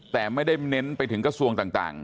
แต่ไม่ได้เน้นไปถึงกระทรวงต่าง